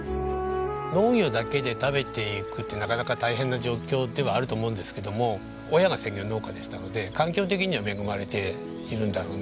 農業だけで食べていくってなかなか大変な状況ではあると思うんですけども親が専業農家でしたので環境的には恵まれているんだろうなと。